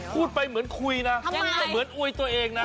พูดไปเหมือนคุยนะเหมือนอวยตัวเองนะ